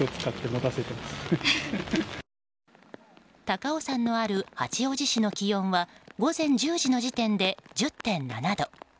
高尾山のある八王子市の気温は午前１０時の時点で１０．７度。